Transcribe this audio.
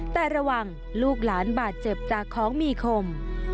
แต่ระวังลูกหลานบาดเจ็บจากของมีคม